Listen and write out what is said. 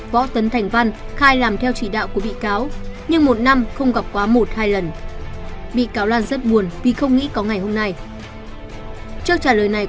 kể cả lời khai nhận tội hay không